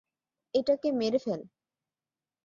এটাকে মেরে ফেল!